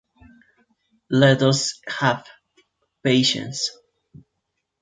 Let us have patience.